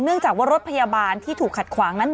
จากว่ารถพยาบาลที่ถูกขัดขวางนั้น